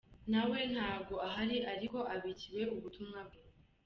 nawe ntago ahari ariko abikiwe ubutumwa bwe.